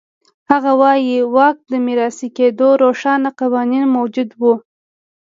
هغه وایي واک د میراثي کېدو روښانه قوانین موجود و.